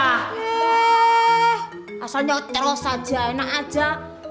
beh asalnya utero saja enak aja